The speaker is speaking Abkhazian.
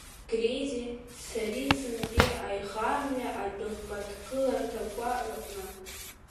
Граизе-Царицинтәи аихамҩа адәыӷбаҭгыларҭақәа рыҟны.